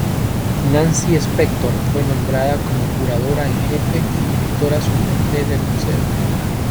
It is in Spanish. Nancy Spector fue nombrada como Curadora en Jefe y Directora Suplente del Museo.